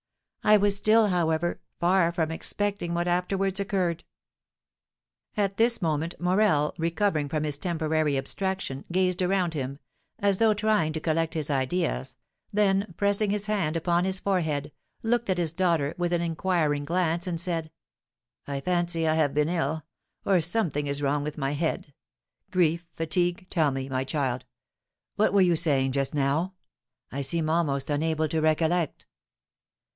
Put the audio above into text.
I was still, however, far from expecting what afterwards occurred." At this moment, Morel, recovering from his temporary abstraction, gazed around him, as though trying to collect his ideas, then, pressing his hand upon his forehead, looked at his daughter with an inquiring glance, and said: "I fancy I have been ill, or something is wrong with my head grief fatigue tell me, my child what were you saying just now? I seem almost unable to recollect."